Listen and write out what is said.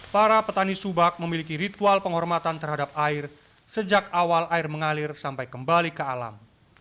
para petani subak memiliki ritual penghormatan terhadap air sejak awal air mengalir sampai kembali ke alam